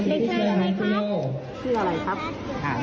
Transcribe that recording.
อู๋เก่ง